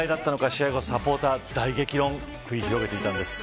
試合後、サポーター大激論、繰り広げていたんです。